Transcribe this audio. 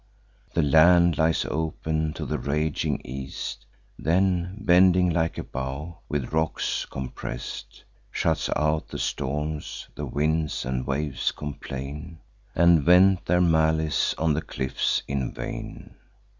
The land lies open to the raging east, Then, bending like a bow, with rocks compress'd, Shuts out the storms; the winds and waves complain, And vent their malice on the cliffs in vain.